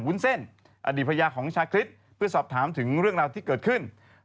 วุ้นเส้นอดีตภรรยาของชาคริสเพื่อสอบถามถึงเรื่องราวที่เกิดขึ้น